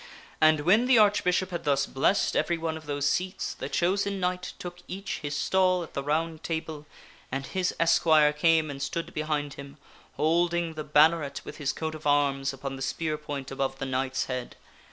And when the Archbishop had thus blessed every one of those seats, the chosen knight took each his stall at the Round Table, and his es quire came and stood behind him, holding the banneret with his coat of arms upon the spear point above the knight's head.